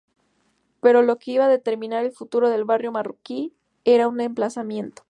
Pero lo que iba a determinar el futuro del Barrio Marroquí era su emplazamiento.